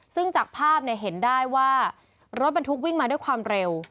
ซึ่งจากภาพเห็นได้ว่ารถบรรทุกวิ่งมาด้วยความเร็ว